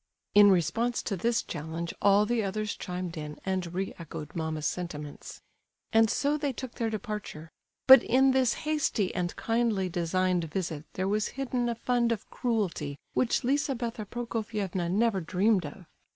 In response to this challenge all the others chimed in and re echoed mamma's sentiments. And so they took their departure; but in this hasty and kindly designed visit there was hidden a fund of cruelty which Lizabetha Prokofievna never dreamed of.